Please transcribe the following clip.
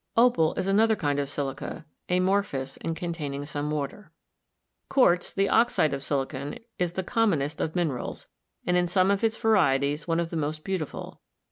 Opal is an other kind of silica, amorphous and containing some water. Quartz, the oxide of silicon, is the commonest of min erals, and in some of its varieties one of the most beauti ful.